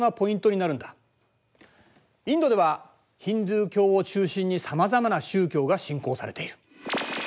インドではヒンドゥー教を中心にさまざまな宗教が信仰されている。